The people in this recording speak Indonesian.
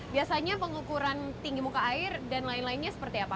biasanya pengukuran tinggi muka air dan lain lainnya seperti apa